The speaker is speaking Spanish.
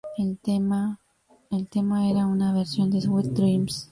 El tema era una versión de "Sweet Dreams".